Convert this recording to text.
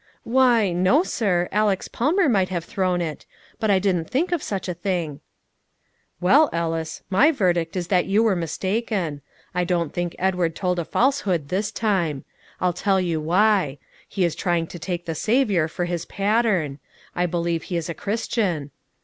"Why, no, sir. Alex Palmer might have thrown it; but I didn't think of such a thing." "Well, Ellis, my verdict is that you were mistaken; I don't think Edward told a falsehood this time. I'll tell you why: he is trying to take the Saviour for his pattern. I believe he is a Christian.